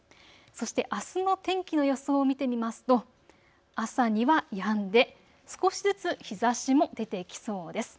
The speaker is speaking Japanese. そしてあすの天気の予想を見てみますと朝にはやんで少しずつ日ざしも出てきそうです。